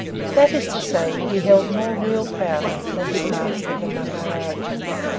That is to say, he held more real power than his master the Maharajah.